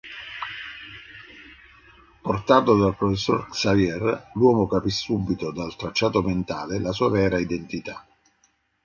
Portato dal professor Xavier, l'uomo capì subito dal tracciato mentale la sua vera identità.